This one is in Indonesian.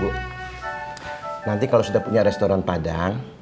nanti kalau sudah punya restoran padang